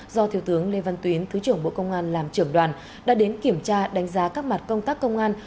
do thiếu tướng lê văn tuyến thứ trưởng bộ công an làm trưởng đoàn đã đến kiểm tra đánh giá các mặt công tác công an